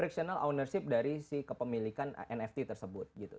nah kita kenal ownership dari si kepemilikan nft tersebut gitu